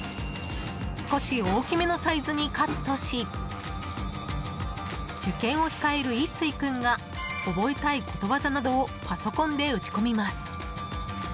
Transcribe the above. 少し大きめのサイズにカットし受験を控える、一水君が覚えたいことわざなどをパソコンで打ち込みます。